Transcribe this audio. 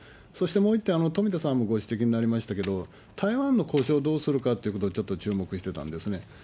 そしてもう一点、富田さんのご指摘になりましたけれども、台湾の呼称をどうするかっていうことをちょっと注目してたんですね。